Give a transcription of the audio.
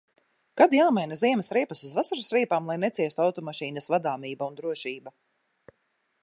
Kad jāmaina ziemas riepas uz vasaras riepām, lai neciestu automašīnas vadāmība un drošība?